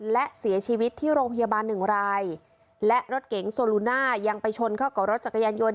และเสียชีวิตที่โรงพยาบาลหนึ่งรายและรถเก๋งโซลูน่ายังไปชนเข้ากับรถจักรยานยนต